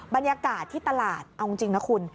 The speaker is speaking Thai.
บรรยากาศที่ตลาดเอาจริงนะคุณ